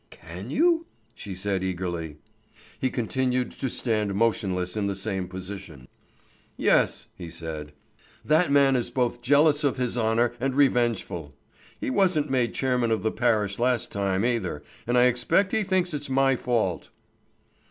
"Can you?" she said eagerly. He continued to stand motionless in the same position. "Yes," he said; "that man is both jealous of his honour and revengeful. He wasn't made chairman of the parish last time either, and I expect he thinks it's my fault."